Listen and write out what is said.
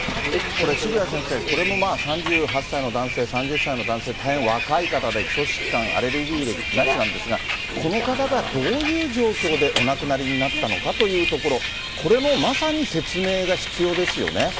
これ、渋谷先生、これも３８歳の男性、３０歳の男性、大変若い方で基礎疾患、アレルギー歴なしなんですが、この方がどういう状況でお亡くなりになったのかというところ、これもまさに説明が必要ですよね。